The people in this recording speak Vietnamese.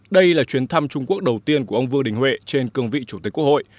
đây là chuyến thăm trung quốc đầu tiên của ông vương đình huệ trên cương vị chủ tịch quốc hội